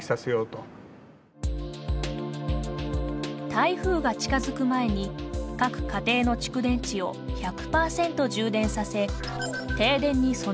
台風が近づく前に各家庭の蓄電池を１００％充電させ停電に備えます。